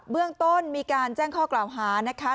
เรื่องต้นมีการแจ้งข้อกล่าวหานะคะ